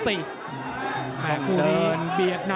ต่างเดิน